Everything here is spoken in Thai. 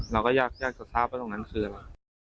เราก็ยากจะทราบว่าตรงนั้นคืออะไร